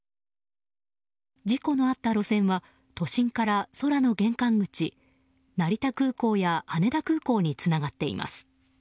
事故のあった路線は都心から空の玄関口成田空港や羽田空港につながっています。